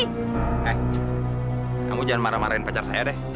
eh kamu jangan marah marahin pacar saya deh